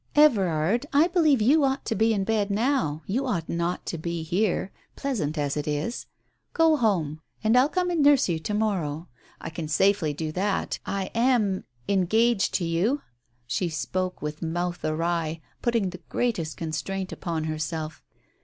"Everard, I believe you ought to be in bed now, you ought not to be here — pleasant as it is. Go home, and Digitized by Google THE TELEGRAM 25 I'll come and nurse you to morrow. I can safely do that. I am — engaged to you !" She spoke with mouth awry, putting the greatest constraint upon herself.